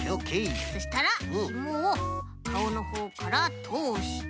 そしたらひもをかおのほうからとおして。